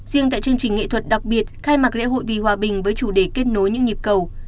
riêng tại chương trình nghệ thuật đặc biệt khai mạc lễ hội vì hòa bình với chủ đề kết nối những nhịp cầu